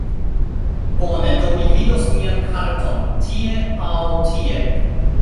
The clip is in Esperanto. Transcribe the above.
Bone, do mi vidos mian karton tie... aŭ tie?